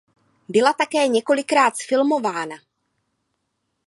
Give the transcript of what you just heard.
Byla také několikrát zfilmována.